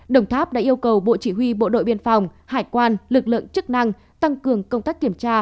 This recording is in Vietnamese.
đồng tháp đã yêu cầu bộ chỉ huy bộ đội biên phòng hải quan lực lượng chức năng tăng cường công tác kiểm tra